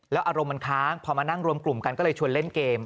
อารมณ์มันค้างพอมานั่งรวมกลุ่มกันก็เลยชวนเล่นเกม